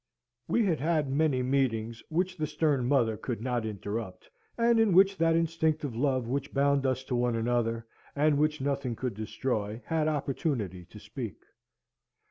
We had had many meetings, which the stern mother could not interrupt, and in which that instinctive love which bound us to one another, and which nothing could destroy, had opportunity to speak.